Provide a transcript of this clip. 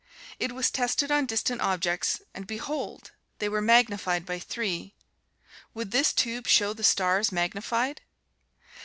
It was tested on distant objects; and behold! they were magnified by three. Would this tube show the stars magnified?